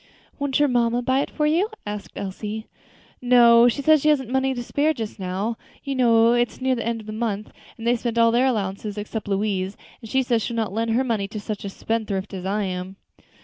"Won't your mamma buy it for you?" asked Elsie. "No, she says she hasn't the money to spare just now. You know it's near the end of the month, and they've all spent their allowances except Louise, and she says she'll not lend her money to such a spendthrift as I am."